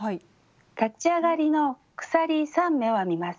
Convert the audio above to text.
立ち上がりの鎖３目を編みます。